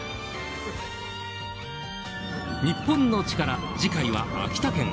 『日本のチカラ』次回は秋田県。